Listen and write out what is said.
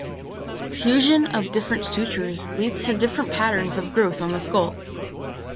Fusion of different sutures leads to different patterns of growth on the skull.